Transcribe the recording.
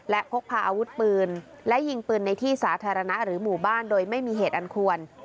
และพกพาอาวุธปืนและยิงปืนในที่สาธารณะหรือหมู่บ้านโดยไม่มีเหตุอันควร